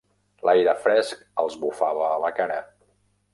L'aire fresc els bufava a la cara.